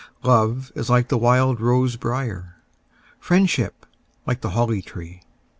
Love is like the wild rose briar; Friendship like the holly tree.